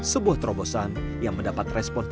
sebuah terobosan yang menekankan